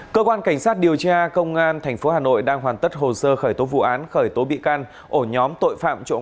cơ quan cảnh sát điều tra công an tp hà nội đang hoàn tất hồ sơ khởi tố vụ án khởi tố bị can ổ nhóm tội phạm trộm